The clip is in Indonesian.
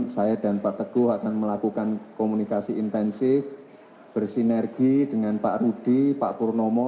saya dan pak teguh akan melakukan komunikasi intensif bersinergi dengan pak rudi pak purnomo